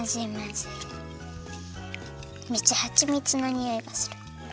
めっちゃはちみつのにおいがする。